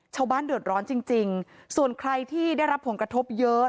ชาวบ้านเดือดร้อนจริงจริงส่วนใครที่ได้รับผลกระทบเยอะ